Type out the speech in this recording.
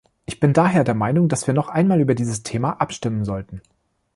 Ich bin daher der Meinung, dass wir noch einmal über dieses Thema abstimmen sollten.